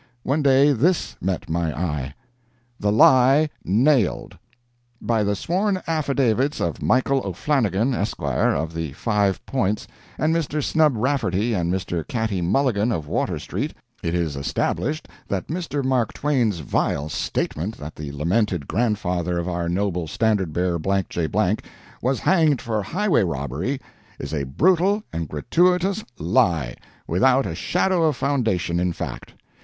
One day this met my eye: THE LIE NAILED. By the sworn affidavits of Michael O'Flanagan, Esq., of the Five Points, and Mr. Snub Rafferty and Mr. Catty Mulligan, of Water Street, it is established that Mr. Mark Twain's vile statement that the lamented grandfather of our noble standard bearer, Blank J. Blank, was hanged for highway robbery, is a brutal and gratuitous LIE, without a shadow of foundation in fact.